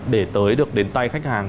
để tới được đến tay khách hàng